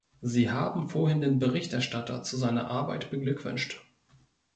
Sie haben vorhin den Berichterstatter zu seiner Arbeit beglückwünscht.